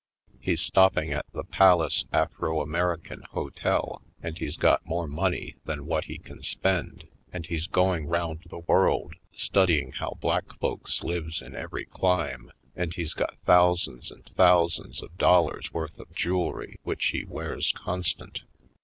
He's stopping at the Palace Afro American Hotel, and he's got more money than what he can spend, and he's going round the world studying how black folks lives in every clime, and he's got thousands and thousands of dollars worth of jewelry which he wears constant.